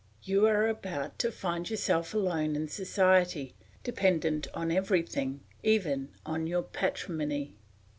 You are about to find yourself alone in society, dependent on everything, even on your patrimony.